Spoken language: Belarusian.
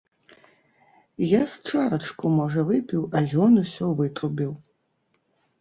Я з чарачку, можа, выпіў, а ён усё вытрубіў.